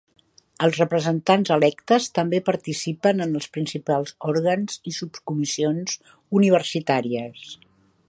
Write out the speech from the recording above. Els representants electes també participen en els principals òrgans i subcomissions universitàries.